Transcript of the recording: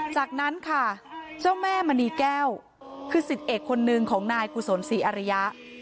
จากนั้นค่ะเจ้าแม่มณีแก้วคือสิทธิเอกคนหนึ่งของนายกุศลศรีอริยะ